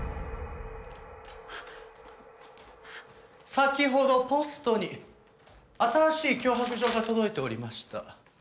先ほどポストに新しい脅迫状が届いておりました。